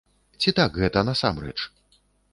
Ці так гэта насамрэч?